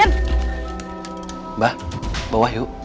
mbak bawa yuk